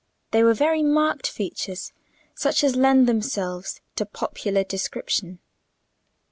They were very marked features, such as lend themselves to popular description.